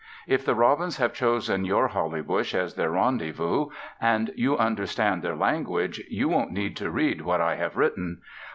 If the robins have chosen your holly bush as their rendezvous and you understand their language, you won't need to read what I have written.